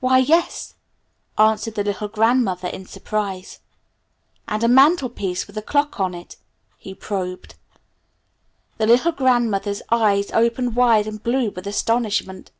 "Why, yes," answered the little grandmother in surprise. "And a mantelpiece with a clock on it?" he probed. The little grandmother's eyes opened wide and blue with astonishment.